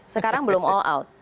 sekarang belum all out